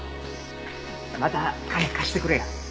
また金貸してくれよ。